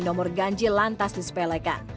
nomor ganji lantas dispelekan